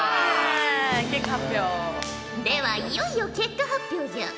結果発表！ではいよいよ結果発表じゃ。